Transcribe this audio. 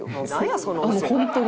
本当に。